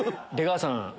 出川さん